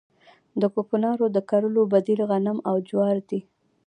د کوکنارو د کرلو بدیل غنم او جوار دي